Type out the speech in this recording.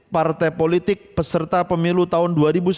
partai politik peserta pemilu tahun dua ribu sembilan belas